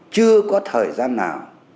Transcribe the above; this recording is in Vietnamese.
chưa có thời gian nào